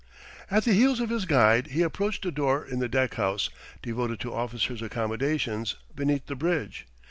At the heels of his guide, he approached a door in the deck house, devoted to officers' accommodations, beneath the bridge.